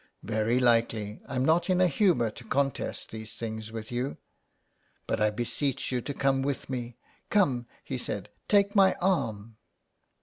^* Very likely, I'm not in a humour to contest these things with you. But I beseech you to come with me. Come," he said, " take my arm."